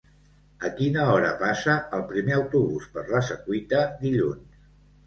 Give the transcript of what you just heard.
A quina hora passa el primer autobús per la Secuita dilluns?